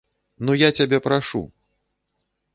Ну я цябе прашу.